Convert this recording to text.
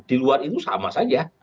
di luar itu sama saja